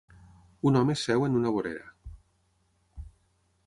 Un home seu en una vorera.